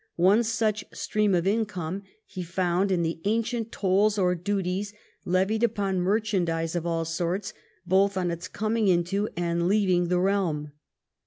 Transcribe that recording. One such stream of income he found in the ancient tolls or duties levied upon merchandise of all sorts, both on its coming into and leaving the realm.